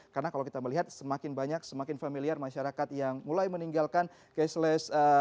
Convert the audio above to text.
karena kalau kita melihat semakin banyak semakin familiar masyarakat yang mulai meninggalkan cashless